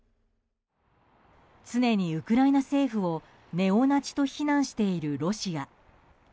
常にウクライナ政府をネオナチと非難しているロシア。